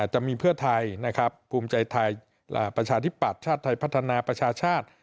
จะมีเพื่อไทยนะครับภูมิใจไทยประชาธิปัตย์ชาติไทยพัฒนาประชาชาติ